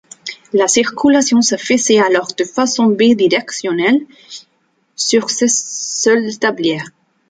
La circulation se faisait alors de façon bidirectionnelle sur ce seul tablier.